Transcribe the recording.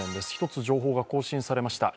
１つ情報が更新されました。